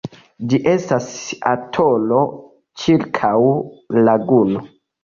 Ĝi estas atolo ĉirkaŭ laguno.